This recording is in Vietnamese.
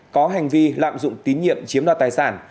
có hành vi lạm dụng tín nhiệm chiếm đoạt tài sản